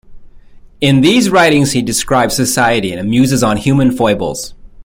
In these writings, he describes society and muses on human foibles.